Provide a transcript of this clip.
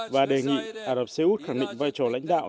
và đề nghị ả rập xê út khẳng định vai trò lãnh đạo